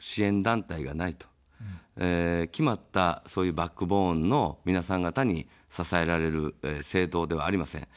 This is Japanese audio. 決まった、バックボーンの皆さん方に支えられる政党ではありません。